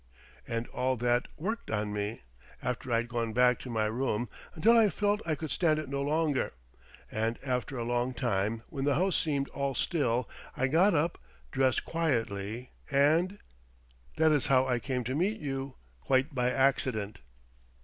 And all that worked on me, after I'd gone back to my room, until I felt I could stand it no longer; and after a long time, when the house seemed all still, I got up, dressed quietly and ... That is how I came to meet you quite by accident."